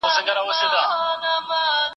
لکه یوکیف چي دلومړۍ ځوانۍ وسرته راسي